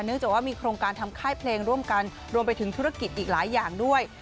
จากว่ามีโครงการทำค่ายเพลงร่วมกันรวมไปถึงธุรกิจอีกหลายอย่างด้วย